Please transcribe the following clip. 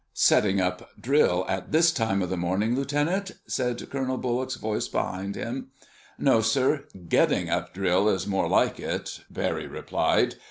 "Setting up drill at this time of the morning, Lieutenant?" said Colonel Bullock's voice behind him. "No, sir—getting up drill is more like it," Barry replied.